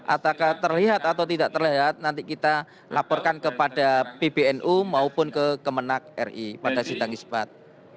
apakah terlihat atau tidak terlihat nanti kita laporkan kepada pbnu maupun ke kemenang ri pada sidang isbat